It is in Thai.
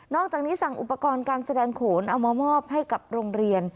อกจากนี้สั่งอุปกรณ์การแสดงโขนเอามามอบให้กับโรงเรียน